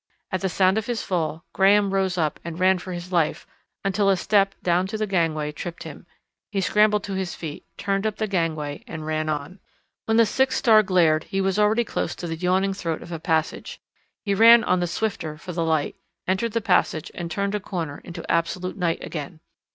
At the sound of his fall Graham rose up and ran for his life until a step down to the gangway tripped him. He scrambled to his feet, turned up the gangway and ran on. When the sixth star glared he was already close to the yawning throat of a passage. He ran on the swifter for the light, entered the passage and turned a corner into absolute night again.